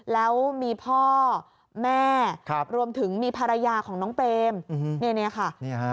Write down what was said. แล้วมีพ่อแม่รวมถึงมีภรรยาของน้องเปรมเนี่ยค่ะ